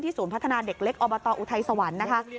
ศูนย์พัฒนาเด็กเล็กอบตอุทัยสวรรค์นะคะ